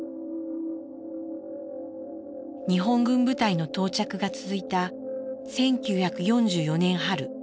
日本軍部隊の到着が続いた１９４４年春。